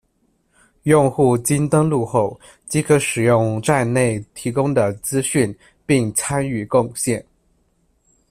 用户经登录后，即可使用站内提供的资讯并参与贡献。